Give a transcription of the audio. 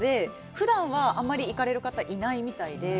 ふだんはあんまり行かれる方、いないみたいで。